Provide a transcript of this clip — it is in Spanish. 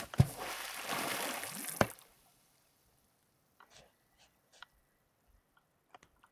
El casco es de acero forrado en madera de teca.